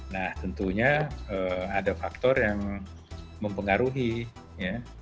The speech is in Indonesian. nah tentunya ada faktor yang mempengaruhi ya